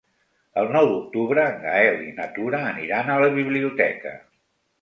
El nou d'octubre en Gaël i na Tura aniran a la biblioteca.